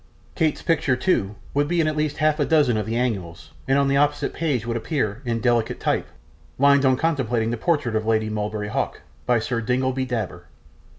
Kate's picture, too, would be in at least half a dozen of the annuals, and on the opposite page would appear, in delicate type, 'Lines on contemplating the Portrait of Lady Mulberry Hawk. By Sir Dingleby Dabber.